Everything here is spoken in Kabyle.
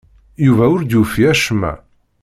Yuba ur d-yufi acemma.